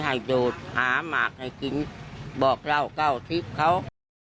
หายโดตหาหมากให้กินบอกเล่อก่อนเอาทิ้งเขา